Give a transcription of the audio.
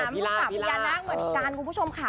มีสามพญานาคเหมือนกันคุณผู้ชมค่ะ